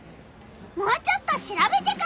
もうちょっと調べてくる！